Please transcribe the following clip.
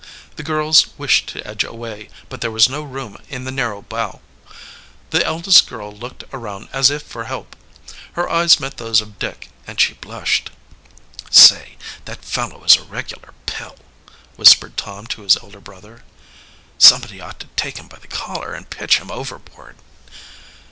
The girls wished to edge away, but there was no room in the narrow bow. The eldest girl looked around as if for help. Her eyes met those of Dick, and she blushed. "Say, that fellow is a regular pill," whispered Tom to his elder brother. "Somebody ought to take him by the collar and pitch him overboard."